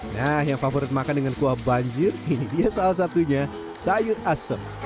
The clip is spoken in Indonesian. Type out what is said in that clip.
nah yang favorit makan dengan kuah banjir ini dia salah satunya sayur asem